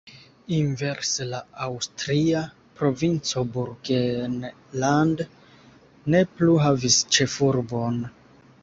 Inverse la aŭstria provinco Burgenland ne plu havis ĉefurbon.